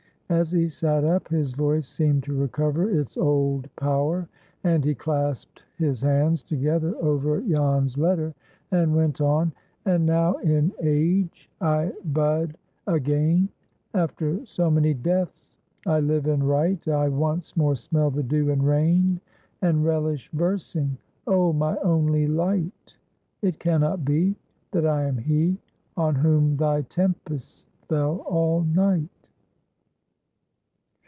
As he sat up, his voice seemed to recover its old power, and he clasped his hands together over Jan's letter, and went on:— "And now in age I bud again, After so many deaths I live and write; I once more smell the dew and rain, And relish versing: O my only Light! It cannot be That I am he On whom Thy tempests fell all night!"